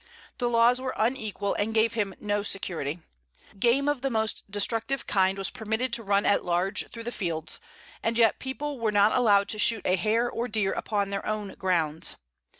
The laws were unequal, and gave him no security; game of the most destructive kind was permitted to run at large through the fields, and yet the people were not allowed to shoot a hare or a deer upon their own grounds.